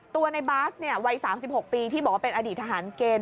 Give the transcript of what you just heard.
ตัวในบาสเนี่ยวัยสามสิบหกปีที่บอกว่าเป็นอดีตทหารเกณฑ์